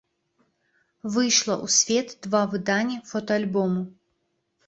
Выйшла ў свет два выдання фотаальбому.